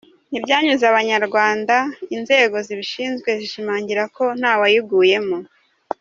Ntibyanyuze Abanyarwanda, inzego zibishinzwe zishimangira ko nta wayiguyemo.